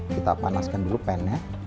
kita panaskan dulu pan